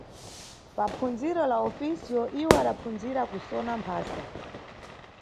Papfundziro la Ofisiyo iwo adapfundzira kusona mphasa.